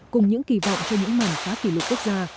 cùng những kỳ vọng cho những mảnh khá kỷ lục quốc gia